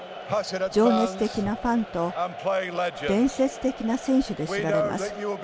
情熱的なファンと伝説的な選手で知られます。